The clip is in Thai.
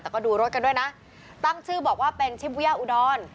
แต่ก็ดูรถกันด้วยนะตั้งชื่อบอกว่าเป็นชิปเวี้ยอุดร